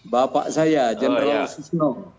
bapak saya general susno